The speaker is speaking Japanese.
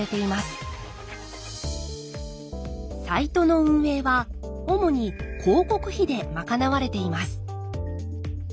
サイトの運営は主に広告費で賄われています。